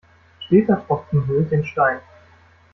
Steter Tropfen höhlt den Stein.